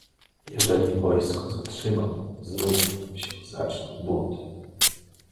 "Jeżeli wojsko zatrzymam, znów się zaczną bunty."